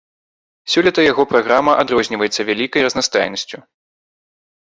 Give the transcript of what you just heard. Сёлета яго праграма адрозніваецца вялікай разнастайнасцю.